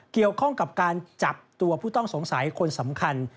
เกี่ยวข้องกับการจับตัวผู้ต้องสงสัยคนสำคัญ